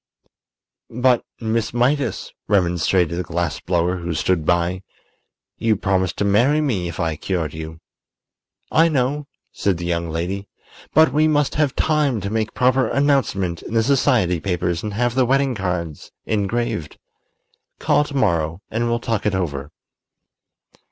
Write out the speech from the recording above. "But, Miss Mydas," remonstrated the glass blower, who stood by, "you promised to marry me if I cured you." "I know," said the young lady, "but we must have time to make proper announcement in the society papers and have the wedding cards engraved. Call to morrow and we'll talk it over."